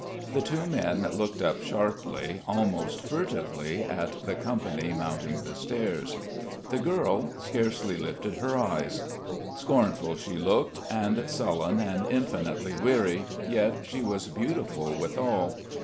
The two men looked up sharply, almost furtively, at the company mounting the stairs. The girl scarcely lifted her eyes. Scornful she looked, and sullen and infinitely weary, yet she was beautiful withal.